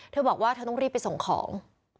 เธอบอกว่าเธอต้องรีบไปส่งของ